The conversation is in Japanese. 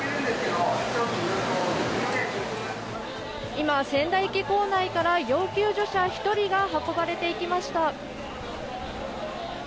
今、仙台駅構内から要救助者１人が運ばれていきました。